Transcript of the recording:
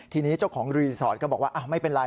ทีนี้เจ้าของรีสอร์ทก็บอกว่าไม่เป็นไร